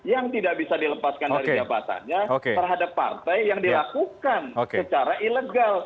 yang tidak bisa dilepaskan dari jabatannya terhadap partai yang dilakukan secara ilegal